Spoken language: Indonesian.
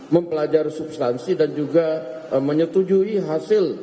mempelajari substansi dan juga menyetujui hasil